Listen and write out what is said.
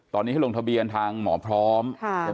ตอนนี้ให้ลงทะเบียนทางหมอพร้อม